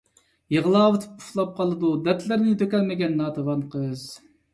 يىغلاۋىتىپ ئۇخلاپ قالىدۇ دەرىتلىرنى تۈكەلمىگەن ناتىۋان قىز